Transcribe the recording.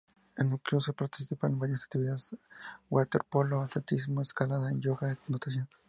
En el club se practican varias actividades: waterpolo, atletismo, escalada, yoga, natación...